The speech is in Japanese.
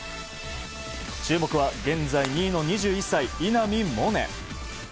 注目は現在２位の２１歳稲見萌寧。